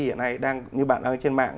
hiện nay đang như bạn ơi trên mạng